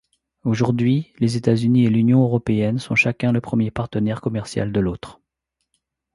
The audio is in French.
Aujourd’hui, les États-Unis et l’Union européenne sont chacun le premier partenaire commercial de l’autre.